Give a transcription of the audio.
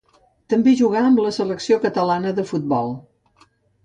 També jugà amb la selecció catalana de futbol.